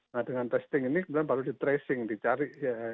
nah dengan testing ini kemudian baru di tracing dicari